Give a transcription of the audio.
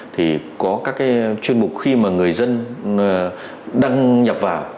thì có các cái chuyên mục khi mà người dân đăng nhập vào